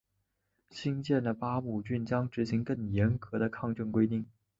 新建的巴姆郡将执行更严格的抗震规定。